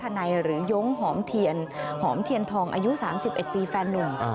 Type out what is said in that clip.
รวมถึงนายนัทธันัยหรือยงหอมเทียนหอมเทียนทองอายุ๓๐เอกรีย์แฟนลง